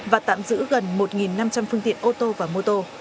và tạm giữ gần một năm trăm linh phương tiện ô tô và mô tô